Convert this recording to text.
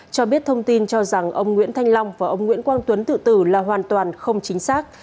cho biết thông tin cho rằng ông nguyễn thanh long và ông nguyễn quang tuấn tự tử là hoàn toàn không chính xác